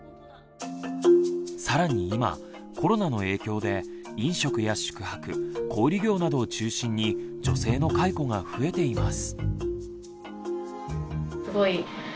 更に今コロナの影響で飲食や宿泊小売業などを中心に女性の解雇が増えています。